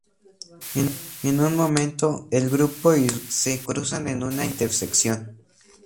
En un momento, el grupo y Rose se cruzan en una intersección.